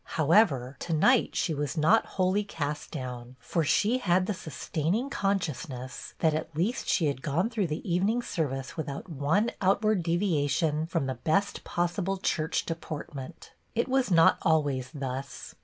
However, to night she was not wholly cast down, for she had the sustaining conscious ness that at least she had gone through the evening service without one outward devia tion from the best possible church deport ment. It was not always thus.